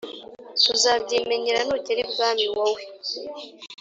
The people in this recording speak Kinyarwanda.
uzabyimenyera nugera ibwami wowe